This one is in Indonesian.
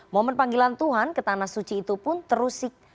momen panggilan tuhan ke tanah suci itu pun terusik